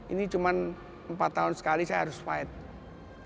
ini cuma empat tahun sekali saya harus fight